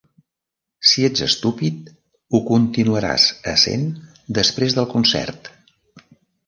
Si ets estúpid, ho continuaràs essent després del concert.